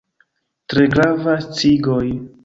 Tre gravaj sciigoj.